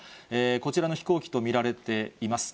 こちらの飛行機と見られています。